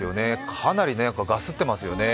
かなりガスってますよね。